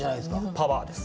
パワーです。